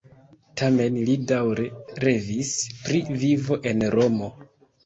Tamen li daŭre revis pri vivo en Romo.